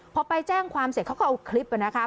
พอไปแจ้งความเสร็จเขาก็เอาคลิปนะคะ